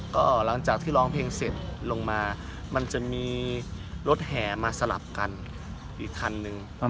ก็หลังจากที่ร้องเพลงเสร็จลงมามันจะมีรถแห่มาสลับกันอีกคันนึง